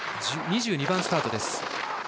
２２番スタートです。